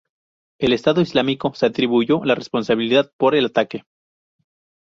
El Estado Islámico se atribuyó la responsabilidad por el ataque.